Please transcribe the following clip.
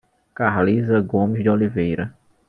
Carlisa Gomes de Oliveira